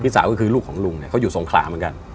สาวก็คือลูกของลุงเนี่ยเขาอยู่สงขลาเหมือนกัน